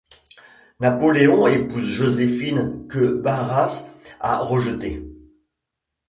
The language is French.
Napoléon épouse Joséphine que Barras a rejetée.